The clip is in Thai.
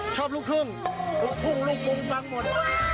ลูกทุ่งลูกทุ่งลูกมุงปังหมด